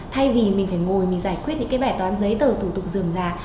thay vì mình phải ngồi giải quyết những bẻ toán giấy tờ thủ tục dường dà